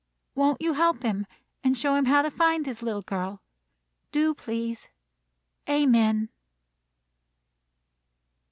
Won't you help him, and show him how to find his little girl? Do, please. Amen."